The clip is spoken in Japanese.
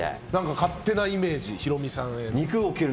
勝手なイメージヒロミさんへの。